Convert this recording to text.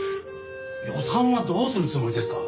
予算はどうするつもりですか？